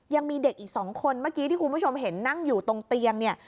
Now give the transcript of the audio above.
ยังมีเด็กอีกสองคนเมื่อกี้ที่คุณผู้ชมเห็นนั่งอยู่ตรงเตียงเนี่ย